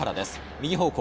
右方向